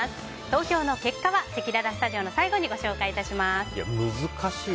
投票の結果はせきららスタジオの最後に難しい。